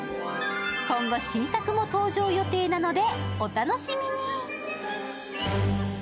今後、新作も登場予定なのでお楽しみに。